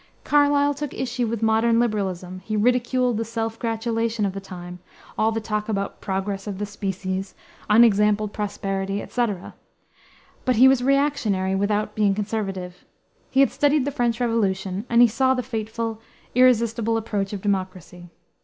Carlyle took issue with modern liberalism; he ridiculed the self gratulation of the time, all the talk about progress of the species, unexampled prosperity, etc. But he was reactionary without being conservative. He had studied the French Revolution, and he saw the fateful, irresistible approach of democracy.